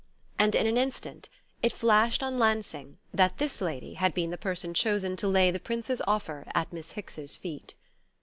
And in an instant it flashed on Lansing that this lady had been the person chosen to lay the Prince's offer at Miss Hicks's feet.